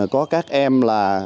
có các em là